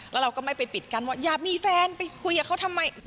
แล้วเราก็ไม่ไปปิดกั้นว่าอยากมีแฟนไปคุยกับเขาทำไม